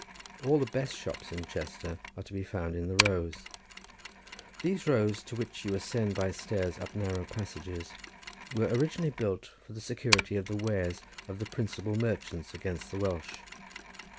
All the best shops in Chester are to be found in the rows. These rows, to which you ascend by stairs up narrow passages, were originally built for the security of the wares of the principal merchants against the Welsh.